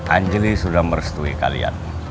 anjli sudah merestui kalian